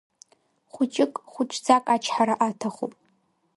Хәыҷык, хәыҷӡак ачҳара аҭахуп.